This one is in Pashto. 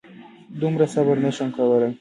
دومره صبر نه شم کولی.